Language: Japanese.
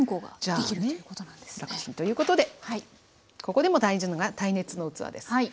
楽ちんということでここでも大事なのが耐熱の器です。